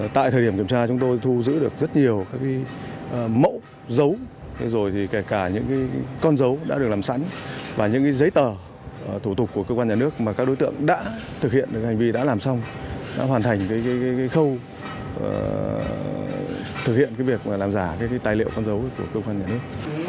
tại thời điểm kiểm tra chúng tôi thu giữ được rất nhiều mẫu dấu rồi kể cả những con dấu đã được làm sẵn và những giấy tờ thủ tục của cơ quan nhà nước mà các đối tượng đã thực hiện hành vi đã làm xong đã hoàn thành khâu thực hiện việc làm giả tài liệu con dấu của cơ quan nhà nước